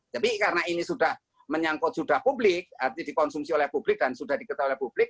tapi karena ini sudah menyangkut sudah publik artinya dikonsumsi oleh publik dan sudah diketahui oleh publik